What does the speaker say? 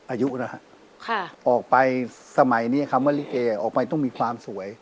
อายุนะฮะออกไปสมัยนี้คำว่าลิเกออกไปต้องมีความสวย